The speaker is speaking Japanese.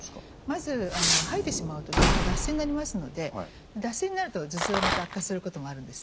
まず吐いてしまうとどうしても脱水になりますので脱水になると頭痛がまた悪化することもあるんですね。